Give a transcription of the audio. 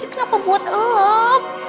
kenapa buat lap